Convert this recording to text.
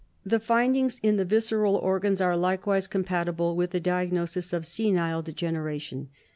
The findings in the visceral organs are likewise compatible with the diagnosis of senile degeneration.